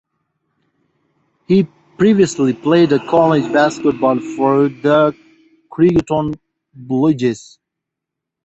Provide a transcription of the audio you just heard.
He previously played college basketball for the Creighton Bluejays.